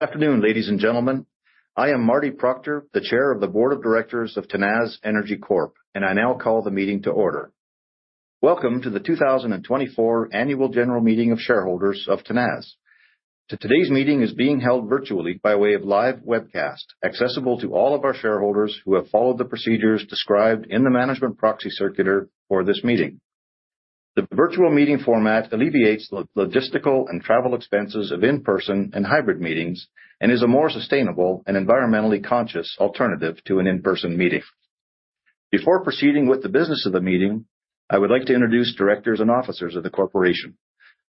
Good afternoon, ladies and gentlemen. I am Marty Proctor, the Chair of the Board of Directors of Tenaz Energy Corp., and I now call the meeting to order. Welcome to the 2024 annual general meeting of shareholders of Tenaz. Today's meeting is being held virtually by way of live webcast, accessible to all of our shareholders who have followed the procedures described in the management proxy circular for this meeting. The virtual meeting format alleviates the logistical and travel expenses of in-person and hybrid meetings and is a more sustainable and environmentally conscious alternative to an in-person meeting. Before proceeding with the business of the meeting, I would like to introduce directors and officers of the corporation.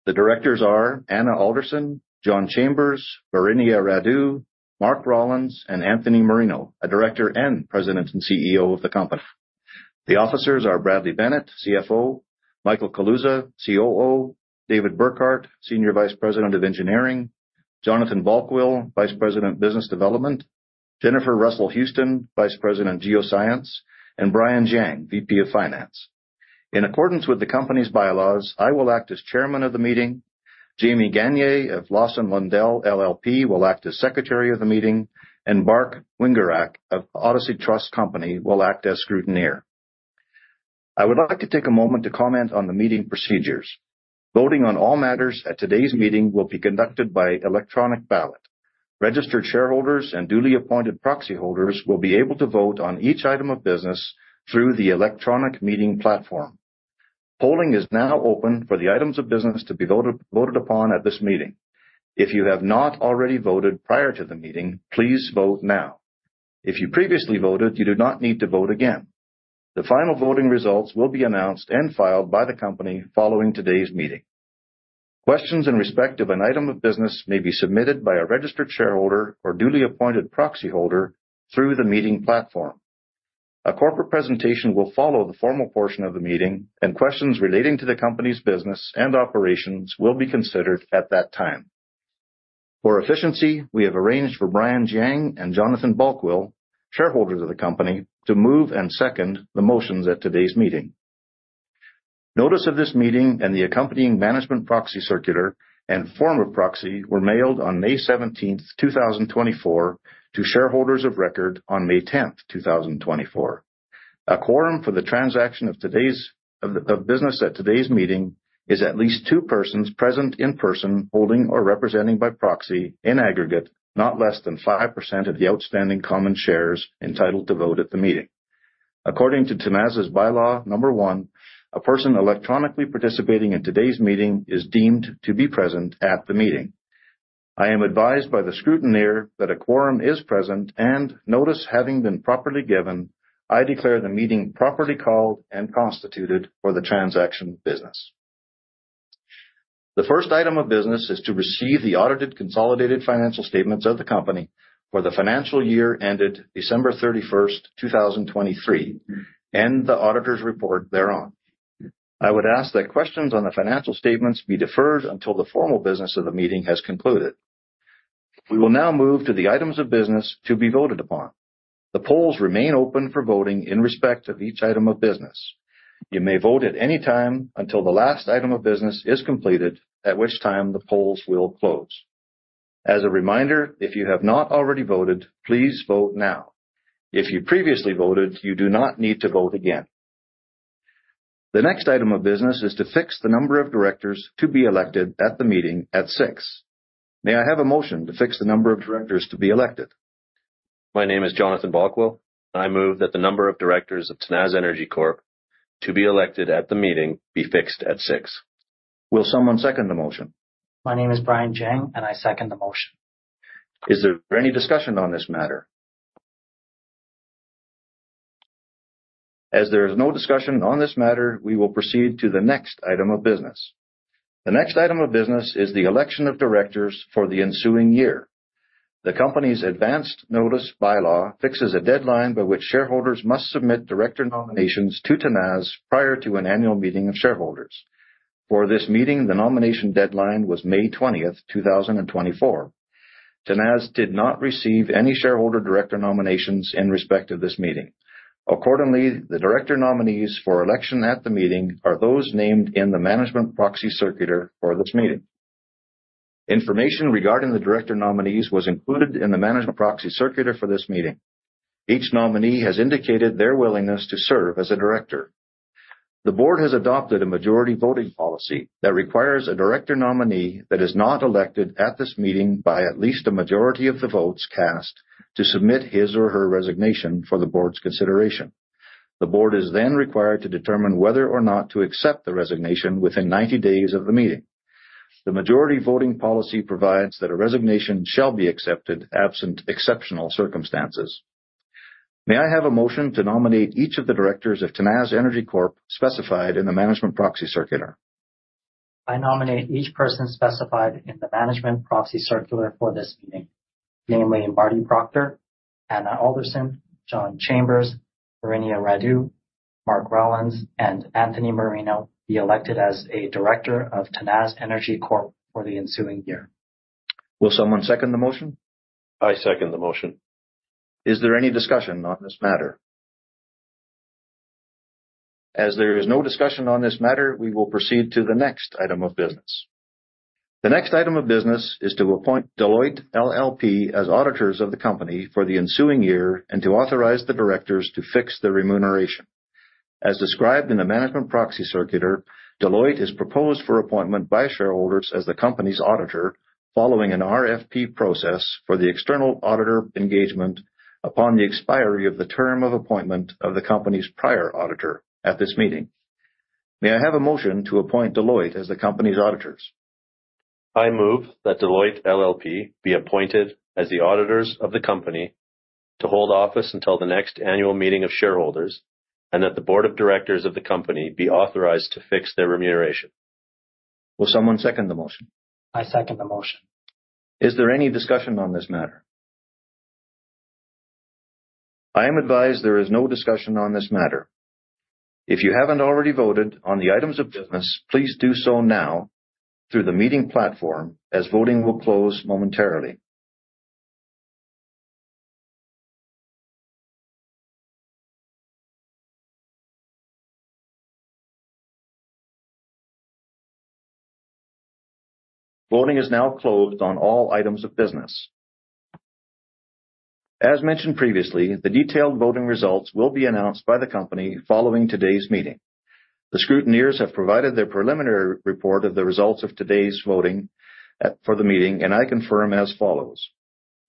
The directors are Anna Alderson, John Chambers, Varinia Radu, Mark Rollins, and Anthony Marino, a director and President and CEO of the company. The officers are Bradley Bennett, CFO, Michael Kaluza, COO, David Burghardt, Senior Vice President of Engineering, Jonathan Balkwill, Vice President, Business Development, Jennifer Russel-Houston, Vice President Geoscience, and Brian Giang, VP of Finance. In accordance with the company's bylaws, I will act as chairman of the meeting. Jamie Gagner of Lawson Lundell LLP will act as secretary of the meeting, and Bart Wingerak of Odyssey Trust Company will act as scrutineer. I would like to take a moment to comment on the meeting procedures. Voting on all matters at today's meeting will be conducted by electronic ballot. Registered shareholders and duly appointed proxy holders will be able to vote on each item of business through the electronic meeting platform. Polling is now open for the items of business to be voted, voted upon at this meeting. If you have not already voted prior to the meeting, please vote now. If you previously voted, you do not need to vote again. The final voting results will be announced and filed by the company following today's meeting. Questions in respect of an item of business may be submitted by a registered shareholder or duly appointed proxy holder through the meeting platform. A corporate presentation will follow the formal portion of the meeting, and questions relating to the company's business and operations will be considered at that time. For efficiency, we have arranged for Brian Giang and Jonathan Balkwill, shareholders of the company, to move and second the motions at today's meeting. Notice of this meeting and the accompanying management proxy circular and form of proxy were mailed on May 17th, 2024, to shareholders of record on May 10th, 2024. A quorum for the transaction of today's... of business at today's meeting is at least two persons present in person, holding or representing by proxy, in aggregate, not less than 5% of the outstanding common shares entitled to vote at the meeting. According to Tenaz's bylaw number one, a person electronically participating in today's meeting is deemed to be present at the meeting. I am advised by the scrutineer that a quorum is present, and notice having been properly given, I declare the meeting properly called and constituted for the transaction of business. The first item of business is to receive the audited consolidated financial statements of the company for the financial year ended December 31st, 2023, and the auditor's report thereon. I would ask that questions on the financial statements be deferred until the formal business of the meeting has concluded. We will now move to the items of business to be voted upon. The polls remain open for voting in respect of each item of business. You may vote at any time until the last item of business is completed, at which time the polls will close. As a reminder, if you have not already voted, please vote now. If you previously voted, you do not need to vote again. The next item of business is to fix the number of directors to be elected at the meeting at six. May I have a motion to fix the number of directors to be elected? My name is Jonathan Balkwill. I move that the number of directors of Tenaz Energy Corp to be elected at the meeting be fixed at six. Will someone second the motion? My name is Brian Giang, and I second the motion. Is there any discussion on this matter? As there is no discussion on this matter, we will proceed to the next item of business. The next item of business is the election of directors for the ensuing year. The company's advanced notice bylaw fixes a deadline by which shareholders must submit director nominations to Tenaz prior to an annual meeting of shareholders. For this meeting, the nomination deadline was May 20th, 2024. Tenaz did not receive any shareholder director nominations in respect of this meeting. Accordingly, the director nominees for election at the meeting are those named in the management proxy circular for this meeting. Information regarding the director nominees was included in the management proxy circular for this meeting. Each nominee has indicated their willingness to serve as a director. The board has adopted a majority voting policy that requires a director nominee that is not elected at this meeting by at least a majority of the votes cast to submit his or her resignation for the board's consideration. The board is then required to determine whether or not to accept the resignation within 90 days of the meeting. The majority voting policy provides that a resignation shall be accepted, absent exceptional circumstances. May I have a motion to nominate each of the directors of Tenaz Energy Corp specified in the management proxy circular? I nominate each person specified in the management proxy circular for this meeting, namely, Marty Proctor, Anna Alderson, John Chambers, Varinia Radu, Mark Rollins, and Anthony Marino, be elected as a director of Tenaz Energy Corp for the ensuing year. Will someone second the motion? I second the motion. Is there any discussion on this matter?... As there is no discussion on this matter, we will proceed to the next item of business. The next item of business is to appoint Deloitte LLP as auditors of the company for the ensuing year and to authorize the directors to fix the remuneration. As described in the management proxy circular, Deloitte is proposed for appointment by shareholders as the company's auditor, following an RFP process for the external auditor engagement upon the expiry of the term of appointment of the company's prior auditor at this meeting. May I have a motion to appoint Deloitte as the company's auditors? I move that Deloitte LLP be appointed as the auditors of the company to hold office until the next annual meeting of shareholders, and that the board of directors of the company be authorized to fix their remuneration. Will someone second the motion? I second the motion. Is there any discussion on this matter? I am advised there is no discussion on this matter. If you haven't already voted on the items of business, please do so now through the meeting platform, as voting will close momentarily. Voting is now closed on all items of business. As mentioned previously, the detailed voting results will be announced by the company following today's meeting. The scrutineers have provided their preliminary report of the results of today's voting at the meeting, and I confirm as follows: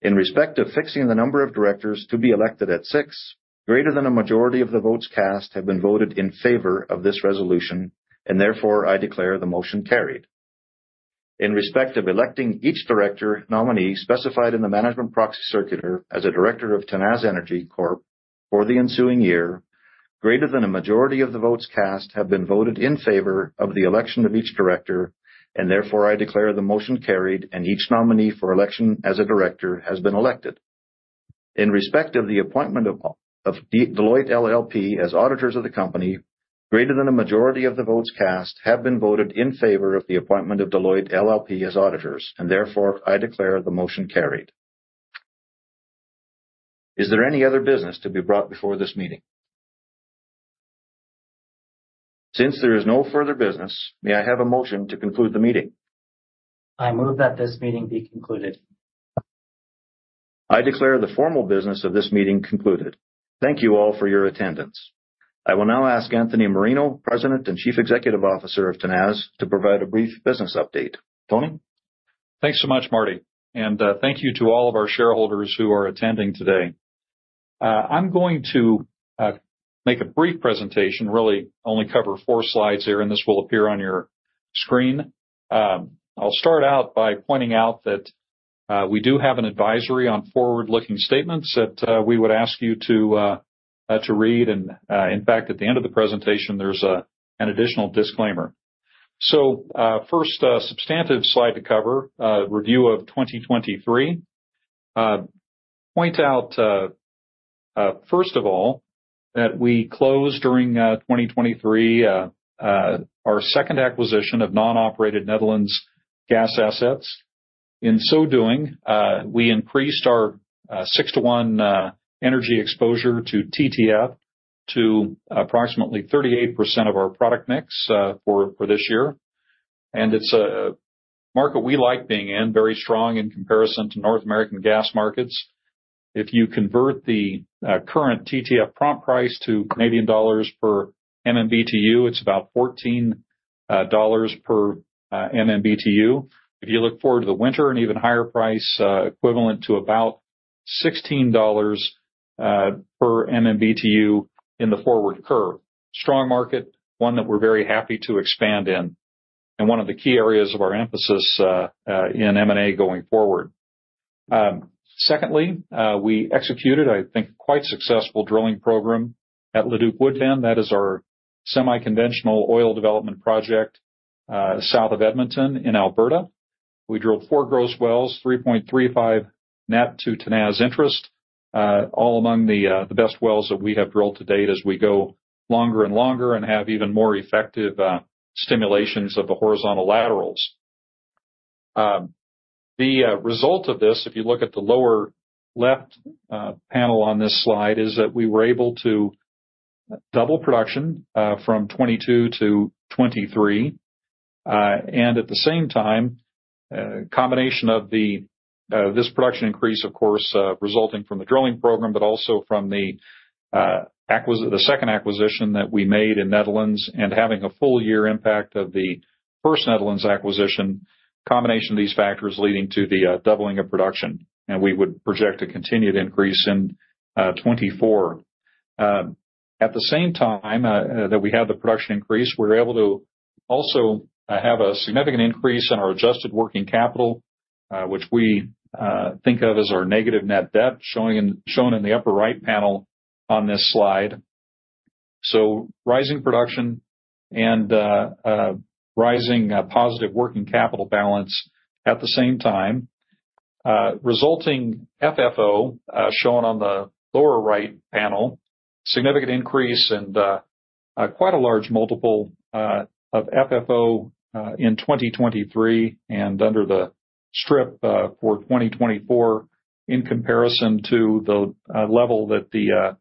In respect of fixing the number of directors to be elected at six, greater than a majority of the votes cast have been voted in favor of this resolution, and therefore I declare the motion carried. In respect of electing each director nominee specified in the management proxy circular as a director of Tenaz Energy Corp. for the ensuing year, greater than a majority of the votes cast have been voted in favor of the election of each director, and therefore I declare the motion carried, and each nominee for election as a director has been elected. In respect of the appointment of Deloitte LLP as auditors of the company, greater than a majority of the votes cast have been voted in favor of the appointment of Deloitte LLP as auditors, and therefore I declare the motion carried. Is there any other business to be brought before this meeting? Since there is no further business, may I have a motion to conclude the meeting? I move that this meeting be concluded. I declare the formal business of this meeting concluded. Thank you all for your attendance. I will now ask Anthony Marino, President and Chief Executive Officer of Tenaz, to provide a brief business update. Tony? Thanks so much, Marty, and thank you to all of our shareholders who are attending today. I'm going to make a brief presentation, really only cover four slides here, and this will appear on your screen. I'll start out by pointing out that we do have an advisory on forward-looking statements that we would ask you to read. In fact, at the end of the presentation, there's an additional disclaimer. First substantive slide to cover, review of 2023. Point out first of all, that we closed during 2023 our second acquisition of non-operated Netherlands gas assets. In so doing, we increased our six-to-one energy exposure to TTF to approximately 38% of our product mix for this year. It's a market we like being in, very strong in comparison to North American gas markets. If you convert the current TTF prompt price to Canadian dollars per MMBTU, it's about 14 dollars per MMBTU. If you look forward to the winter, an even higher price, equivalent to about 16 dollars per MMBTU in the forward curve. Strong market, one that we're very happy to expand in, and one of the key areas of our emphasis in M&A going forward. Secondly, we executed, I think, a quite successful drilling program at Leduc-Woodbend. That is our semi-conventional oil development project south of Edmonton in Alberta. We drilled four gross wells, 3.35 net to Tenaz interest, all among the best wells that we have drilled to date as we go longer and longer and have even more effective stimulations of the horizontal laterals. The result of this, if you look at the lower left panel on this slide, is that we were able to double production from 2022 to 2023. At the same time, a combination of this production increase, of course, resulting from the drilling program, but also from the second acquisition that we made in Netherlands and having a full year impact of the first Netherlands acquisition. Combination of these factors leading to the doubling of production, and we would project a continued increase in 2024. At the same time, that we had the production increase, we were able to also have a significant increase in our adjusted working capital, which we, think of as our negative net debt, shown in the upper right panel on this slide. So rising production and, rising, positive working capital balance at the same time, resulting FFO, shown on the lower right panel, significant increase and, quite a large multiple, of FFO, in 2023 and under the strip, for 2024 in comparison to the, level that the,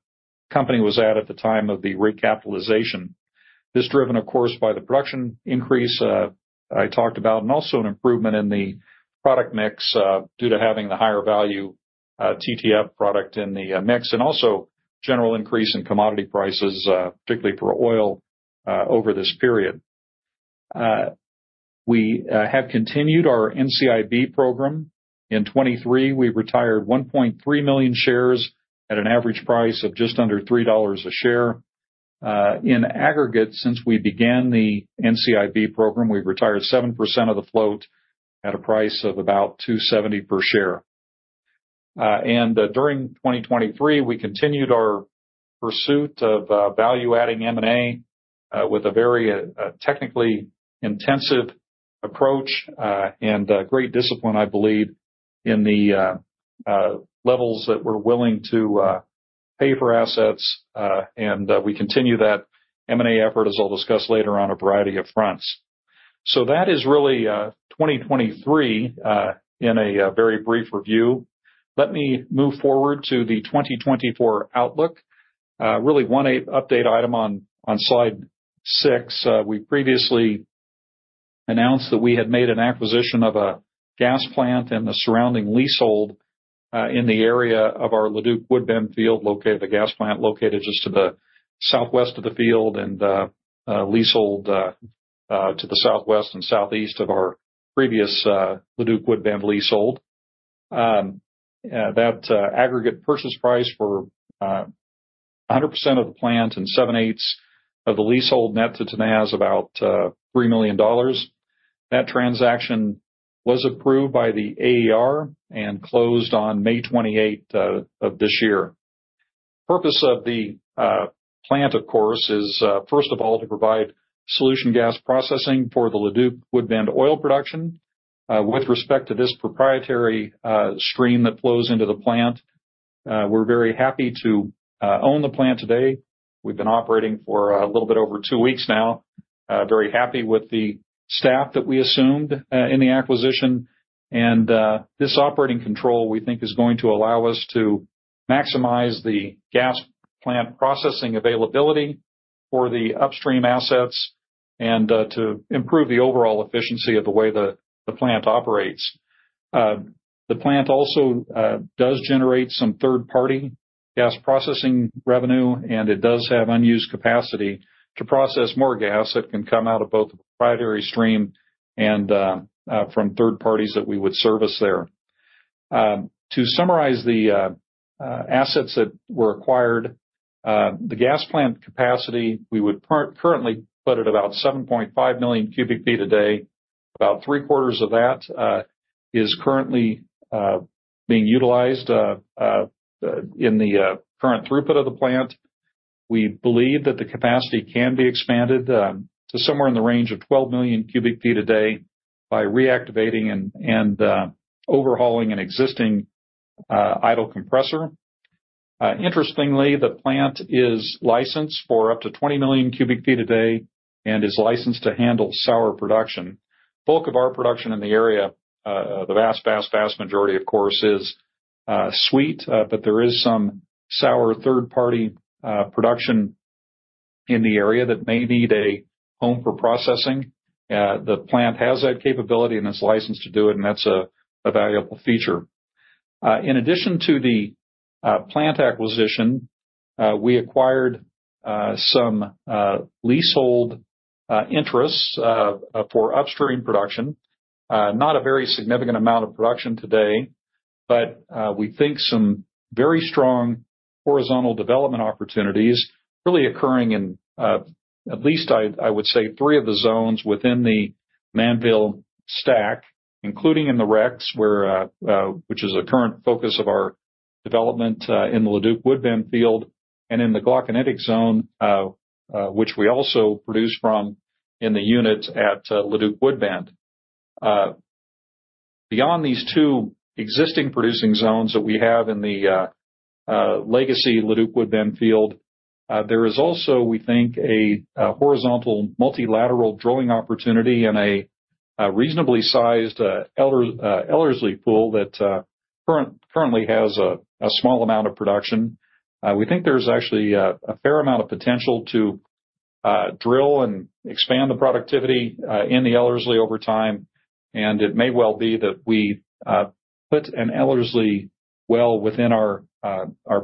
company was at, at the time of the recapitalization. This is driven, of course, by the production increase I talked about, and also an improvement in the product mix due to having the higher value TTF product in the mix, and also general increase in commodity prices, particularly for oil, over this period. We have continued our NCIB program. In 2023, we retired 1.3 million shares at an average price of just under 3 dollars a share. In aggregate, since we began the NCIB program, we've retired 7% of the float at a price of about 2.70 per share. During 2023, we continued our pursuit of value-adding M&A with a very technically intensive approach and great discipline, I believe, in the levels that we're willing to pay for assets. We continue that M&A effort, as I'll discuss later, on a variety of fronts. That is really 2023 in a very brief review. Let me move forward to the 2024 outlook. Really one update item on slide six. We previously announced that we had made an acquisition of a gas plant and the surrounding leasehold in the area of our Leduc-Woodbend field, the gas plant located just to the southwest of the field and leasehold to the southwest and southeast of our previous Leduc-Woodbend leasehold. That aggregate purchase price for 100% of the plant and 7/8 of the leasehold net to Tenaz about 3 million dollars. That transaction was approved by the AER and closed on May 28th of this year. Purpose of the plant, of course, is first of all to provide solution gas processing for the Leduc-Woodbend oil production with respect to this proprietary stream that flows into the plant. We're very happy to own the plant today. We've been operating for a little bit over two weeks now. Very happy with the staff that we assumed in the acquisition. And this operating control, we think, is going to allow us to maximize the gas plant processing availability for the upstream assets and to improve the overall efficiency of the way the plant operates. The plant also does generate some third-party gas processing revenue, and it does have unused capacity to process more gas that can come out of both the proprietary stream and from third parties that we would service there. To summarize the assets that were acquired, the gas plant capacity, we would currently put at about 7.5 million cubic feet a day. About three quarters of that is currently in the current throughput of the plant. We believe that the capacity can be expanded to somewhere in the range of 12 million cubic feet a day by reactivating and overhauling an existing idle compressor. Interestingly, the plant is licensed for up to 20 million cubic feet a day and is licensed to handle sour production. bulk of our production in the area, the vast, vast, vast majority, of course, is sweet, but there is some sour third-party production in the area that may need a home for processing. The plant has that capability, and it's licensed to do it, and that's a valuable feature. In addition to the plant acquisition, we acquired some leasehold interests for upstream production. Not a very significant amount of production today, but we think some very strong horizontal development opportunities really occurring in at least I would say three of the zones within the Mannville stack, including in the Rex, where which is a current focus of our development in the Leduc-Woodbend field and in the Glauconitic zone, which we also produce from in the units at Leduc-Woodbend. Beyond these two existing producing zones that we have in the legacy Leduc-Woodbend field, there is also we think a horizontal multilateral drilling opportunity in a reasonably sized Ellerslie pool that currently has a small amount of production. We think there's actually a fair amount of potential to drill and expand the productivity in the Ellerslie over time, and it may well be that we put an Ellerslie well within our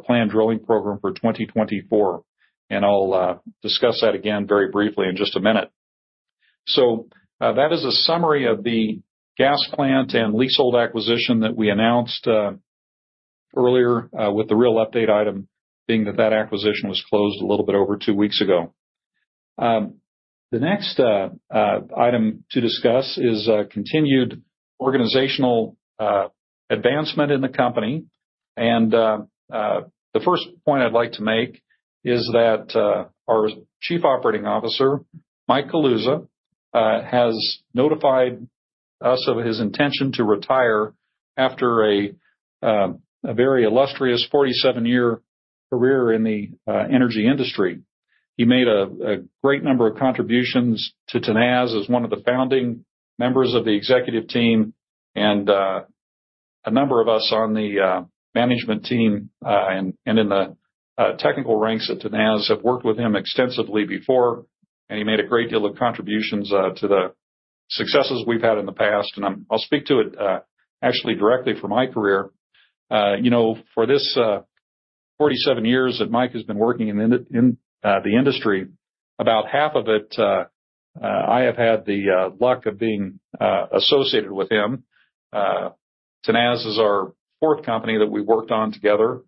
planned drilling program for 2024. And I'll discuss that again very briefly in just a minute. So, that is a summary of the gas plant and leasehold acquisition that we announced earlier, with the real update item being that acquisition was closed a little bit over two weeks ago. The next item to discuss is continued organizational advancement in the company. And the first point I'd like to make is that our Chief Operating Officer, Mike Kaluza, has notified us of his intention to retire after a very illustrious 47-year career... career in the energy industry. He made a great number of contributions to Tenaz as one of the founding members of the executive team, and a number of us on the management team and in the technical ranks at Tenaz have worked with him extensively before, and he made a great deal of contributions to the successes we've had in the past. And I'll speak to it actually directly from my career. You know, for this 47 years that Mike has been working in the industry, about half of it I have had the luck of being associated with him. Tenaz is our fourth company that we worked on together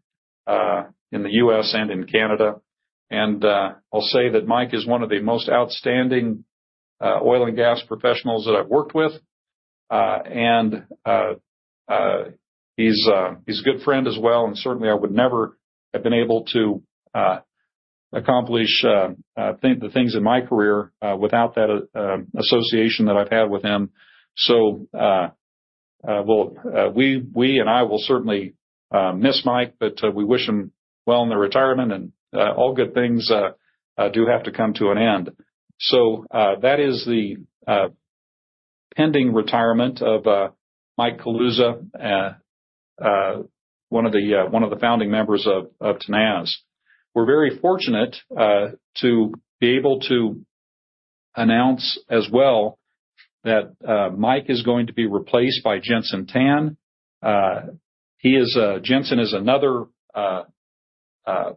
in the U.S. and in Canada, and I'll say that Mike is one of the most outstanding oil and gas professionals that I've worked with. And he's a good friend as well, and certainly I would never have been able to accomplish the things in my career without that association that I've had with him. So, well, we and I will certainly miss Mike, but we wish him well in the retirement and all good things do have to come to an end. So, that is the pending retirement of Mike Kaluza, one of the founding members of Tenaz. We're very fortunate to be able to announce as well that Mike is going to be replaced by Jenson Tan. He is... Jenson is another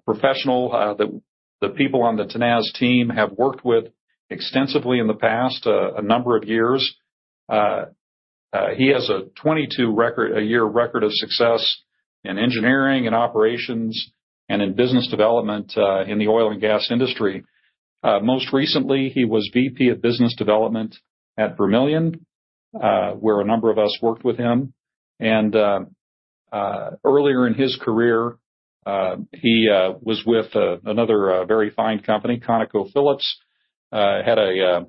professional that the people on the Tenaz team have worked with extensively in the past, a number of years. He has a 22-year record of success in engineering and operations and in business development in the oil and gas industry. Most recently, he was VP of Business Development at Vermilion, where a number of us worked with him. And earlier in his career, he was with another very fine company, ConocoPhillips. Had a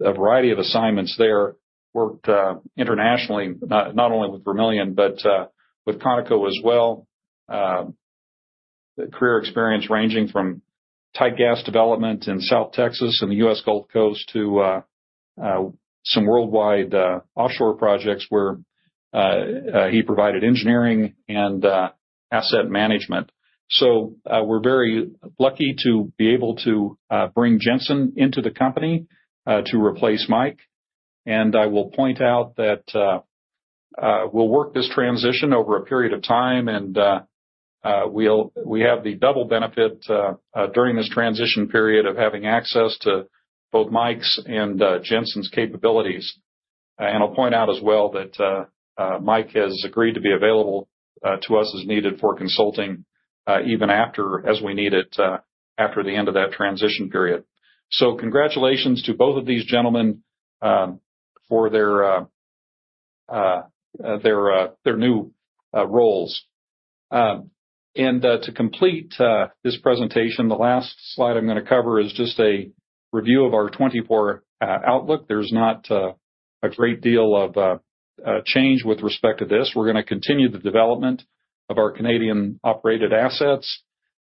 variety of assignments there. Worked internationally, not only with Vermilion, but with Conoco as well. Career experience ranging from tight gas development in South Texas and the U.S. Gulf Coast to some worldwide offshore projects, where he provided engineering and asset management. So, we're very lucky to be able to bring Jenson into the company to replace Mike. And I will point out that we'll work this transition over a period of time, and we'll have the double benefit during this transition period of having access to both Mike's and Jenson's capabilities. And I'll point out as well that Mike has agreed to be available to us as needed for consulting even after as we need it after the end of that transition period. So congratulations to both of these gentlemen for their new roles. And, to complete this presentation, the last slide I'm gonna cover is just a review of our 2024 outlook. There's not a great deal of change with respect to this. We're gonna continue the development of our Canadian operated assets.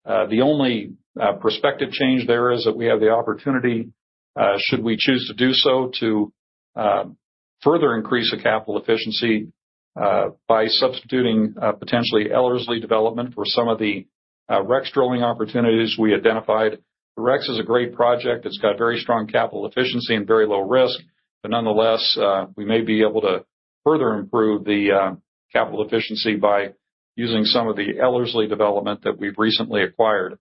The only prospective change there is that we have the opportunity, should we choose to do so, to further increase the capital efficiency by substituting potentially Ellerslie development for some of the Rex drilling opportunities we identified. Rex is a great project. It's got very strong capital efficiency and very low risk, but nonetheless, we may be able to further improve the capital efficiency by using some of the Ellerslie development that we've recently acquired.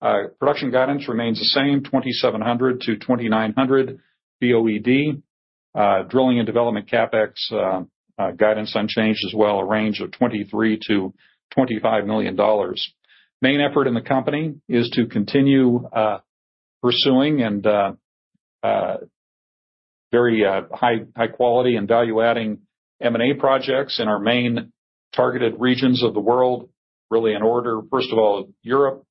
Production guidance remains the same, 2,700-2,900 BOED. Drilling and development CapEx, guidance unchanged as well, a range of 23 million-25 million dollars. Main effort in the company is to continue pursuing and very high, high quality and value-adding M&A projects in our main targeted regions of the world. Really in order, first of all, Europe,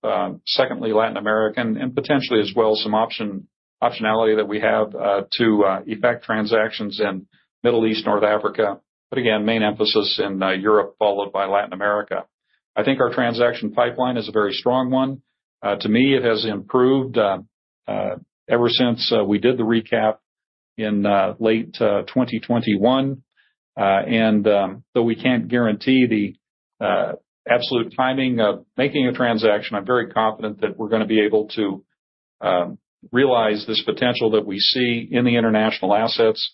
secondly, Latin America, and potentially as well, some option, optionality that we have to effect transactions in Middle East, North Africa, but again, main emphasis in Europe, followed by Latin America. I think our transaction pipeline is a very strong one. To me, it has improved ever since we did the recap in late 2021. And though we can't guarantee the absolute timing of making a transaction, I'm very confident that we're gonna be able to realize this potential that we see in the international assets,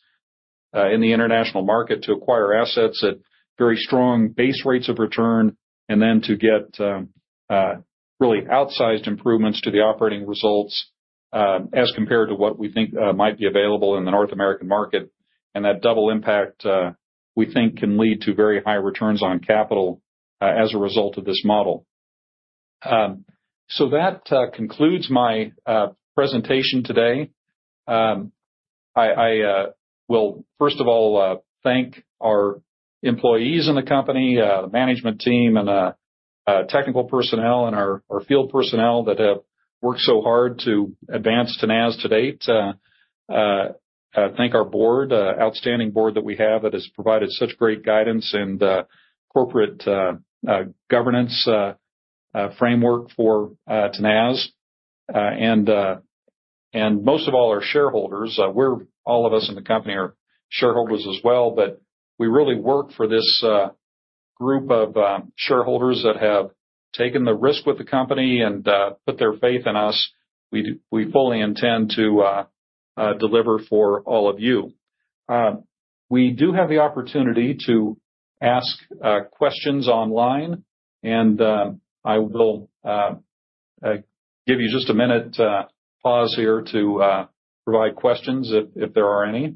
in the international market, to acquire assets at very strong base rates of return and then to get really outsized improvements to the operating results, as compared to what we think might be available in the North American market. And that double impact we think can lead to very high returns on capital, as a result of this model. So that concludes my presentation today. I will first of all thank our employees in the company, the management team and technical personnel and our field personnel that have worked so hard to advance Tenaz to date. I thank our outstanding board that we have, that has provided such great guidance and corporate governance framework for Tenaz. And most of all, our shareholders. We're all of us in the company are shareholders as well, but we really work for this group of shareholders that have taken the risk with the company and put their faith in us. We fully intend to deliver for all of you. We do have the opportunity to ask questions online, and I will give you just a minute pause here to provide questions if there are any.